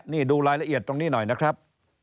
นี่ดูรายละเอียดตรงนี้หน่อยนะครับ